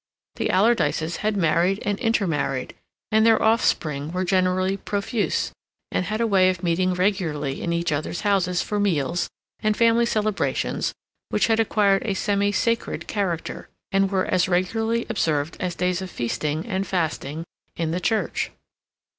The Alardyces had married and intermarried, and their offspring were generally profuse, and had a way of meeting regularly in each other's houses for meals and family celebrations which had acquired a semi sacred character, and were as regularly observed as days of feasting and fasting in the Church.